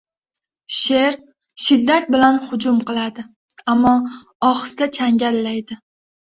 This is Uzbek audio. • Sher shiddat bilan hujum qiladi, ammo ohista changallaydi.